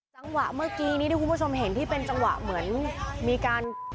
จังหวะเมื่อกี้นี้ที่คุณผู้ชมเห็นที่เป็นจังหวะเหมือนมีการ